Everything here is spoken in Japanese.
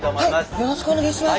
よろしくお願いします。